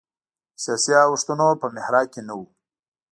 د سیاسي اوښتونونو په محراق کې نه و.